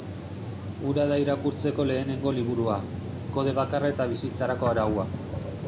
Hura da irakurtzeko lehenengo liburua, kode bakarra eta bizitzarako araua.